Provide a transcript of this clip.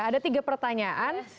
ada tiga pertanyaan